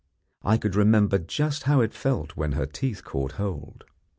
I could remember just how it felt when her teeth caught hold.